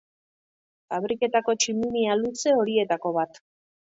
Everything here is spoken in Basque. Fabriketako tximinia luze horietako bat.